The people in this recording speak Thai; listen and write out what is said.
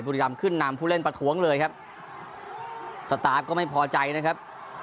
บุรีรำขึ้นนำผู้เล่นประท้วงเลยครับสตาร์ทก็ไม่พอใจนะครับ